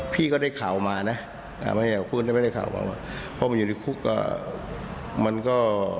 พี่ก็ได้ข่าวมานะพูดไม่ได้ข่าวมาว่ามันอยู่ในคุกมันก็